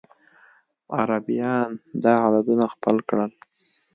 عربيان دا عددونه خپل کړل.